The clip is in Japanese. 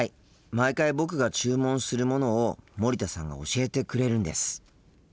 毎回僕が注文するものを森田さんが教えてくれるんです。